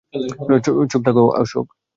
চুপ থাকো, অশোক।